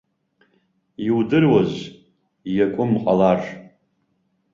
Иудыруаз, иакәым ҟалар.